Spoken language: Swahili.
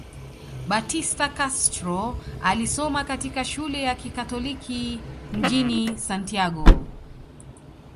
Batista Castro alisoma katika shule ya kikatoliki mjini Santiago